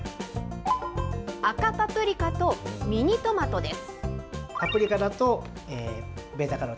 赤パプリカとミニトマトです。